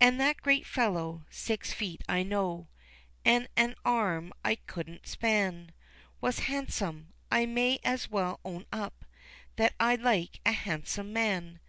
An' that great fellow, six feet I know, An' an arm I couldn't span, Was handsome I may as well own up That I like a handsome man.